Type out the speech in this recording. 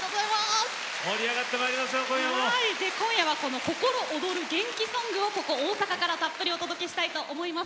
盛り上がってまいりましょう今夜は心躍る元気ソングをここ大阪からたっぷりお届けしたいと思います。